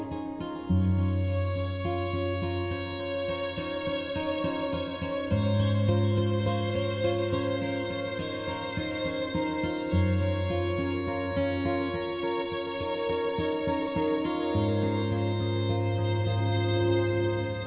うん。